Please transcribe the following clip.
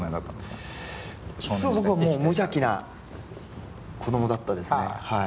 すごくもう無邪気な子供だったですね。